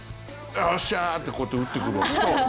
おっしゃー！ってこうやって打ってくるわけですね。